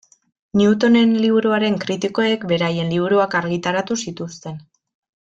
Newtonen liburuaren kritikoek beraien liburuak argitaratu zituzten.